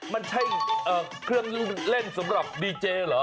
มันใช่เครื่องเล่นสำหรับดีเจเหรอ